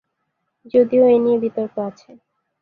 যদিও এ নিয়ে বিতর্ক আছে।